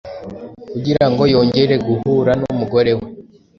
Kugira ngo yongere guhura n’umugore we,